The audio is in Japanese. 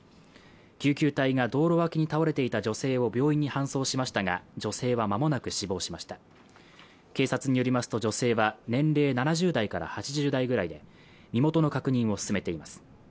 救急隊が道路脇に倒れていた女性を病院に搬送しましたが女性はまもなく死亡しました警察によりますと女性は年齢７０代から８０代ぐらいで身元の確認を進めています